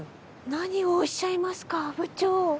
何をおっしゃいますか部長。